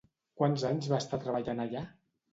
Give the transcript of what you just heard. Quants anys va estar treballant allà?